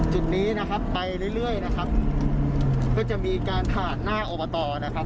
จุดนี้นะครับไปเรื่อยเรื่อยนะครับก็จะมีการผ่านหน้าอบตนะครับ